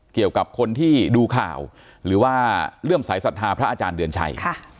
เกี่ยวกับคนที่ดูข่าวหรือว่าเลื่อมสายศรัทธาพระอาจารย์เดือนชัย